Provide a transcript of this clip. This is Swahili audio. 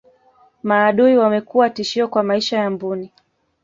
maadui wamekuwa tishio kwa maisha ya mbuni